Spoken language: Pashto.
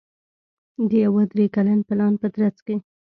د یوه درې کلن پلان په ترڅ کې